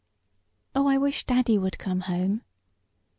"Oh, I wish daddy would come home!"